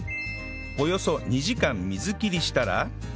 およそ２時間水切りしたら